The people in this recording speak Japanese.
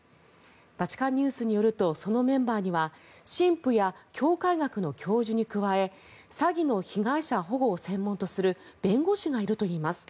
バチカンニュースによるとそのメンバーには神父や教会学の教授に加え詐欺の被害者保護を専門とする弁護士がいるといいます。